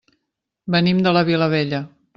Venim de la Vilavella.